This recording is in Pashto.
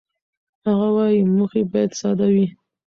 هغه وايي، موخې باید ساده وي.